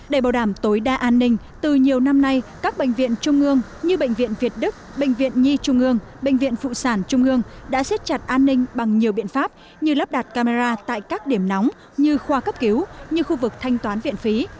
để bảo đảm tối đa an ninh từ nhiều năm nay các bệnh viện trung ương như bệnh viện việt đức bệnh viện nhi trung ương bệnh viện phụ sản trung ương đã xiết chặt an ninh bằng nhiều biện pháp như lắp đặt camera tại các điểm nóng như khoa cấp cứu như khu vực thanh toán viện phí